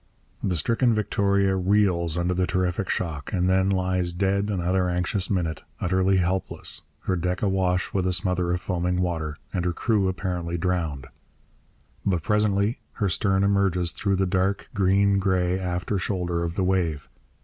The stricken Victoria reels under the terrific shock, and then lies dead another anxious minute, utterly helpless, her deck awash with a smother of foaming water, and her crew apparently drowned. But presently her stern emerges through the dark, green grey after shoulder of the wave.